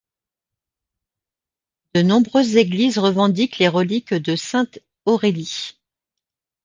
De nombreuses églises revendiquent les reliques de Sainte Aurélie.